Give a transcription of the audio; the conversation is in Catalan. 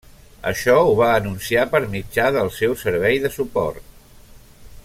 Això ho va anunciar per mitjà del seu servei de suport.